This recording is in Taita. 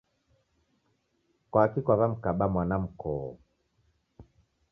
kwaki kwaw'amkaba mwana mkoo?